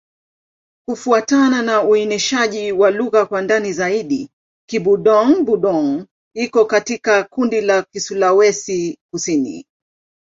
Kufuatana na uainishaji wa lugha kwa ndani zaidi, Kibudong-Budong iko katika kundi la Kisulawesi-Kusini.